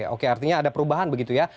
oke artinya ada perubahan begitu ya